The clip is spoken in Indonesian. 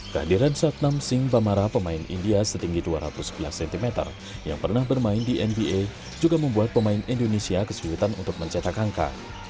kehadiran satnam sing bamara pemain india setinggi dua ratus sebelas cm yang pernah bermain di nba juga membuat pemain indonesia kesulitan untuk mencetak angka